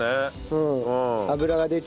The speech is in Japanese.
うん。